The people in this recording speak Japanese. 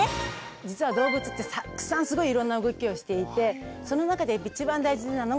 実は動物ってたくさんすごいいろんな動きをしていてその中で一番大事なのが股関節。